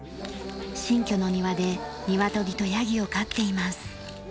新居の庭でニワトリとヤギを飼っています。